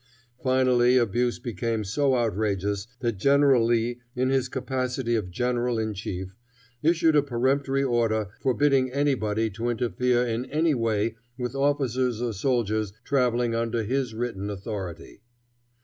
Finally the abuse became so outrageous that General Lee, in his capacity of general in chief, issued a peremptory order forbidding anybody to interfere in any way with officers or soldiers traveling under his written authority.